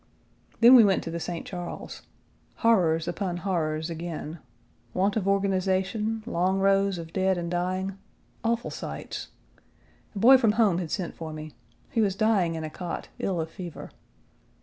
Then we went to the St. Charles. Horrors upon horrors again; want of organization, long rows of dead and Page 109 dying; awful sights. A boy from home had sent for me. He was dying in a cot, ill of fever.